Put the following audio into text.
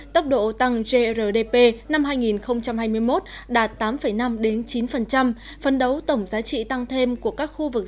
tốc độ tăng grdp năm hai nghìn hai mươi một đạt tám năm chín phân đấu tổng giá trị tăng thêm của các khu vực